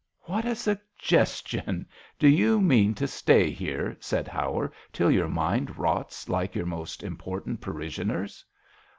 " What a suggestion! Do you mean to stay here," said Howard, "till your mind rots like our most important parishioner's